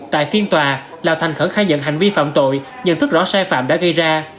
tại phiên tòa lào thành khẩn khai nhận hành vi phạm tội nhận thức rõ sai phạm đã gây ra